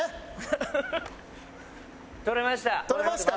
撮れました。